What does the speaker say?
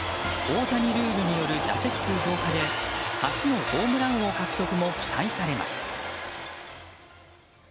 大谷ルールによる打席数増加で初のホームラン王獲得も期待されます。